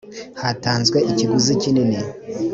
hatanzwe ikiguzi kinini